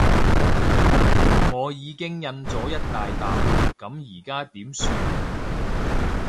我已經印咗一大疊，噉而家點算？